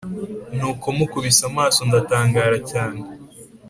Nuko mukubise amaso ndatangara cyane